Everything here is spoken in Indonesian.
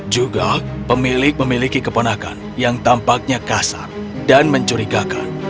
juga pemilik memiliki keponakan yang tampaknya kasar dan mencurigakan